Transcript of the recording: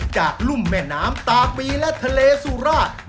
รุ่มแม่น้ำตาปีและทะเลสุราช